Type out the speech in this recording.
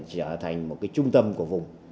trở thành một cái trung tâm của vùng